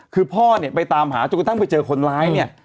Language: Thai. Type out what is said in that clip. คือพ่อเนี่ยไปตามหาจนกระทั่งไปเจอคนร้ายเนี่ย